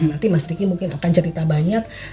jadi mas riki mungkin akan cerita banyak